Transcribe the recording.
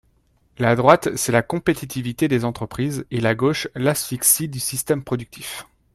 La droite, c’est la compétitivité des entreprises et la gauche, l’asphyxie du système productif.